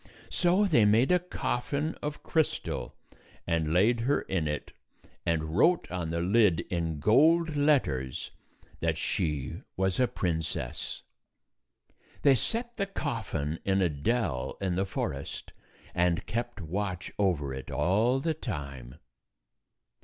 So they made a coffin of crystal and laid her in it, and 241 wrote on the lid, in gold letters, that she was a princess. They set the coffin in a dell in the forest and kept watch over it all the time.